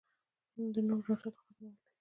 د نورو رټل او ختمول دي.